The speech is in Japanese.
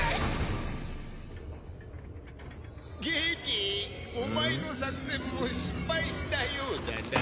ゲゲお前の作戦も失敗したようだな。